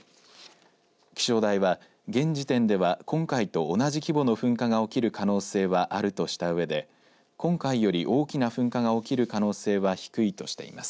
気象台は現時点では今回と同じ規模の噴火が起きる可能性はあるとしたうえで今回より大きな噴火が起きる可能性は低いとしています。